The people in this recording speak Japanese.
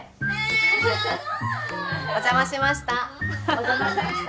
お邪魔しました。